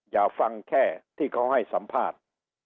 อย่าฟังแค่ที่เขาให้สัมภาษณ์